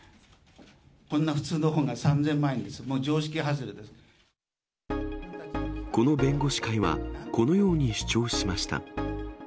こんな普通の本が３０００万円でこの弁護士会は、このように主張しました。